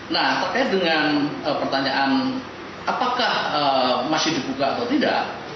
nah terkait dengan pertanyaan apakah masih dibuka atau tidak